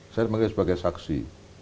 saya dimanggil sebagai saksi